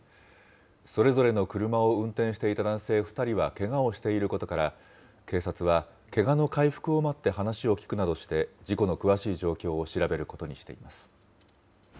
それぞれの車を運転していた男性２人はけがをしていることから、警察は、けがの回復を待って話を聴くなどして、事故の詳しい状況を調べることにしています。